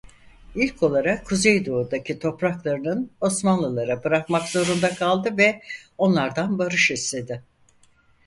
İlk olarak kuzeydoğudaki topraklarının Osmanlılara bırakmak zorunda kaldı ve onlardan barış istedi.